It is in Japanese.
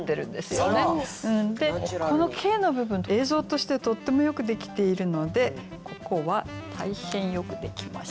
この「景」の部分映像としてとってもよくできているのでここは大変よくできました。